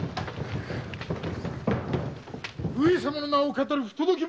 上様の名を騙る不届き者。